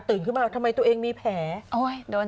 ขึ้นมาทำไมตัวเองมีแผล